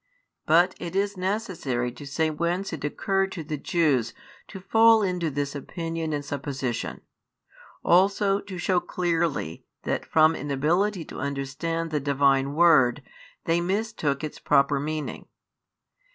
But it is necessary to say whence it occurred to the Jews to fall into this opinion and supposition; also to shew clearly that from inability to understand the Divine Word, they mistook its proper meaning.